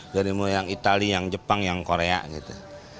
dari yang itali yang jepang yang korea gitu